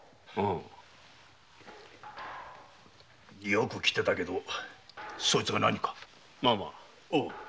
よく来てたけどそいつが何か？